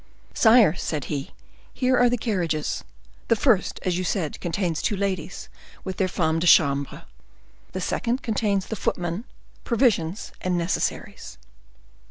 "Sire," said he, "here are the carriages. The first, as you said, contains two ladies with their femmes de chambre; the second contains the footmen, provisions, and necessaries."